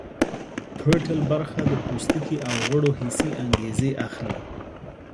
پریټل برخه د پوستکي او غړو حسي انګیزې اخلي